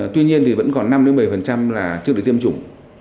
tuy nhiên thì vẫn còn năm một mươi là chưa được tiêm chủng